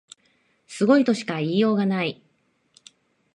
すごいとしか言いようがない